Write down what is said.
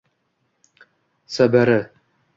cbr